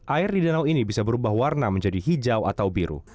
air di danau ini bisa berubah warna menjadi hijau atau biru